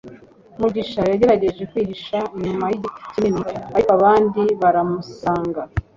mugisha yagerageje kwihisha inyuma yigiti kinini, ariko abandi baramusanga